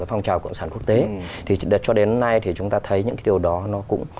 phong trào cộng sản quốc tế thì cho đến nay thì chúng ta thấy những cái điều đó nó cũng